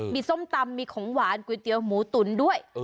มีส้มตำมีของหวานก๋วยเตี๋ยวหมูตุ๋นด้วย